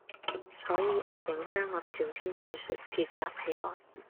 所以我竟將我的短篇小說結集起來，